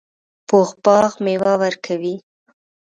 پوخ باغ میوه ورکوي